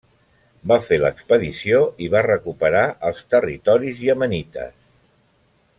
Va fer l'expedició i va recuperar els territoris iemenites.